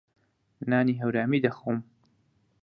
نانی هەورامی دەخۆم.